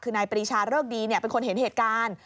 คือนายปรีชาเริกดีเป็นคนเห็นเหตุการณ์